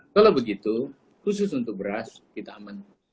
kalau begitu khusus untuk beras kita aman